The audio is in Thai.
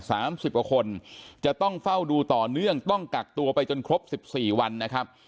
สามสิบกว่าคนจะต้องเฝ้าดูต่อเนื่องต้องกักตัวไปจนครบสิบสี่วันนะครับ